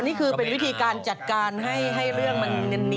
นี่คือเป็นวิธีการจัดการให้เรื่องมันมี